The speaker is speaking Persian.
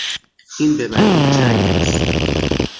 این به معنی جنگ است.